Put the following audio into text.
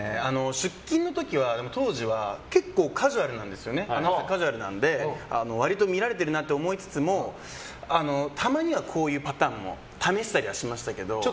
出勤の時は、当時は結構、カジュアルなので割と見られてるなって思いつつもたまにはこういうパターンも試したりはしましたけど。